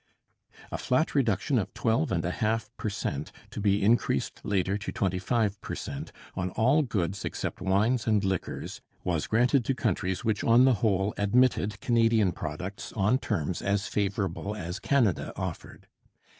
A flat reduction of twelve and a half per cent, to be increased later to twenty five per cent, on all goods except wines and liquors, was granted to countries which on the whole admitted Canadian products on terms as favourable as Canada offered.